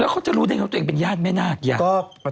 แล้วเขาจะรู้ได้ยังว่าตัวเองเป็นญาติแม่นากไง